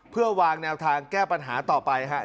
เพื่อวางแนวทางแก้ปัญหาต่อไปครับ